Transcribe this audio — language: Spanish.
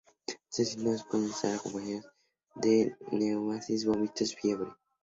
Estos síntomas pueden estar acompañados de náuseas, vómitos, fiebre.